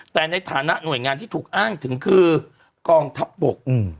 แต่ในฐานะหน่วยงานที่ถูกอ้างถึงคือกองทัพบก